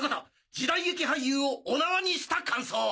時代劇俳優をお縄にした感想を！